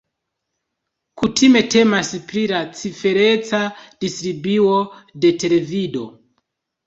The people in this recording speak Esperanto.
Kutime temas pri la cifereca distribuo de televido.